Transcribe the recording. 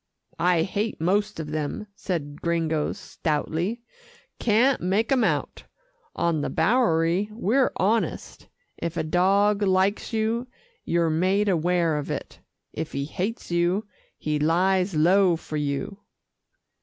"I hate most of them," said Gringo stoutly, "can't make 'em out. On the Bowery, we're honest if a dog likes you, you're made aware of it. If he hates you, he lies low for you."